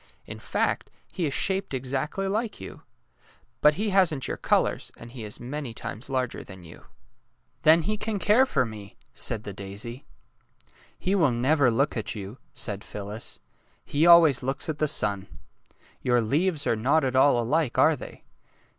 In fact, he is shaped exactly like you. But he hasn't your colours, and he is many times larger than you." '' Then he can care for me," said the daisy. '' He will never look at you," said Phyllis. '' He always looks at the sun. Your leaves are not at all alike, are they?